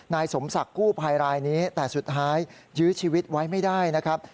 นายสมศักดิ์กู้ภัยรายนี้แต่สุดท้ายยื้อชีวิตไว้ไม่ได้นะครับ